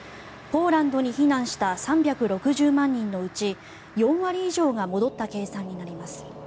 ポーランドに避難した３６０万人のうち４割以上が戻った計算になります。